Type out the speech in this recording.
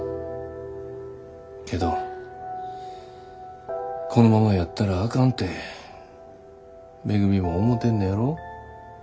けどこのままやったらあかんてめぐみも思てんねやろ。